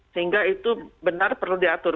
sehingga itu benar perlu diatur